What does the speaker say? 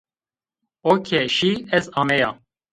O ke şî, ez ameya